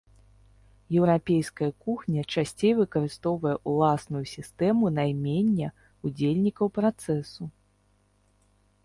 Еўрапейская кухня часцей выкарыстоўвае ўласную сістэму наймення удзельнікаў працэсу.